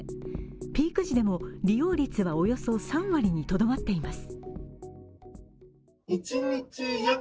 ピーク時も利用率はおよそ３割にとどまっています。